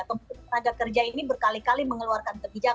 kementerian tenaga kerja ini berkali kali mengeluarkan kebijakan